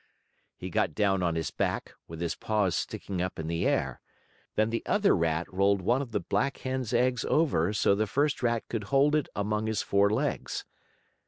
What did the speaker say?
He got down on his back, with his paws sticking up in the air. Then the other rat rolled one of the black hen's eggs over so the first rat could hold it in among his four legs.